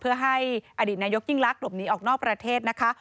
เพื่อให้อดีตนายกยิ่งลักษณ์หลบหนีออกนอกประเทศนะคะ